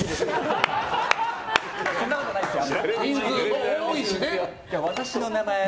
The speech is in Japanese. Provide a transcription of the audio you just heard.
そんなことないですよ。